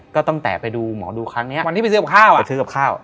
ก็ตั้งแต่ไปดูหมอดูครั้งเนี้ยวันที่ไปซื้อกับข้าวไปซื้อกับข้าว